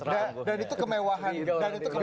dan itu kemewahan